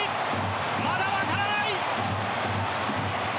まだ分からない！